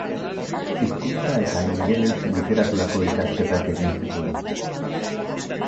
Hizkuntza eta ingeles-literaturako ikasketak egin zituen.